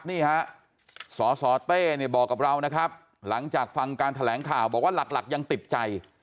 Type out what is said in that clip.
นี่ฮะสสเต้เนี่ยบอกกับเรานะครับหลังจากฟังการแถลงข่าวบอกว่าหลักยังติดใจ